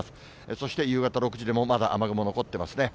そして夕方６時でもまだ雨雲残ってますね。